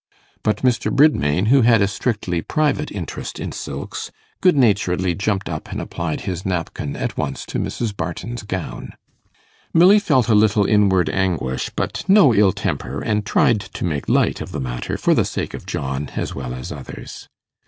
But Mr. Bridmain, who had a strictly private interest in silks, good naturedly jumped up and applied his napkin at once to Mrs. Barton's gown. Milly felt a little inward anguish, but no ill temper, and tried to make light of the matter for the sake of John as well as others.